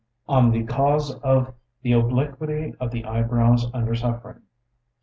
On the cause of the obliquity of the eyebrows under suffering.